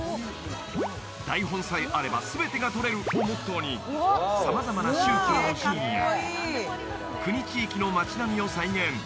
台本さえあれば全てが撮れるをモットーに、さまざまな宗教の寺院や国・地域の町並みを再現。